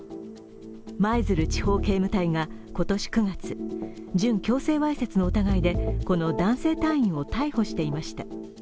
舞鶴地方警務隊が今年９月、準強制わいせつの疑いでこの男性隊員を逮捕していました。